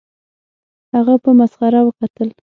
هغه په مسخره وکتل